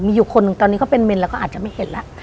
มีอยู่คนหนึ่งตอนนี้ก็เป็นเมนแล้วก็อาจจะไม่เห็นแล้ว